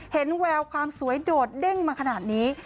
แววความสวยโดดเด้งมาขนาดนี้